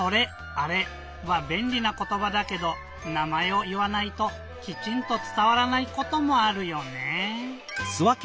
「あれ」はべんりなことばだけどなまえをいわないときちんとつたわらないこともあるよねぇ。